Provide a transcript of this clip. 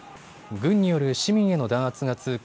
軍による市民への弾圧が続く